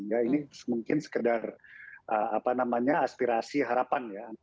ya ini mungkin sekedar apa namanya aspirasi harapan ya